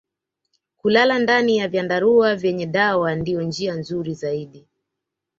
Kulala ndani ya vyandarua vyenye dawa ndiyo njia nzuri zaidi